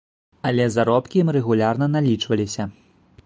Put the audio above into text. Але заробкі ім рэгулярна налічваліся.